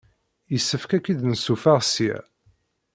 Yessefk ad k-id-nessuffeɣ ssya.